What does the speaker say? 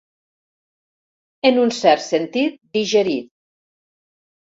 En un cert sentit, digerí.